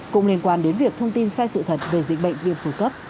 cũng liên quan đến việc thông tin sai sự thật về dịch bệnh viêm phủ cấp